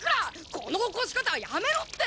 この起こし方はやめろって！